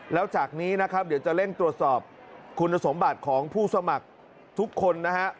แล้วจากนี้นะครับเดี๋ยวจะเร่งตรวจสอบคุณสมบัติของผู้สมัครทุกคนนะฮะ